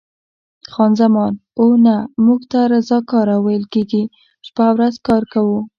خان زمان: اوه، نه، موږ ته رضاکاره ویل کېږي، شپه او ورځ کار کوو.